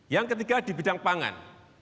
yang ketiga di bidang pangan